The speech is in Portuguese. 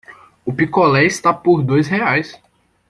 O picolé está por dois reais.